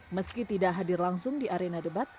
meski tidak hadir langsung di arena debat